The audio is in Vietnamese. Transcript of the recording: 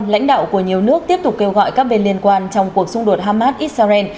lãnh đạo của nhiều nước tiếp tục kêu gọi các bên liên quan trong cuộc xung đột hamas israel